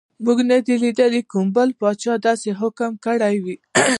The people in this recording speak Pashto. موږ نه دي لیدلي چې کوم بل پاچا داسې حکم کړی وي.